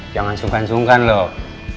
jangan sungkan sungkan loh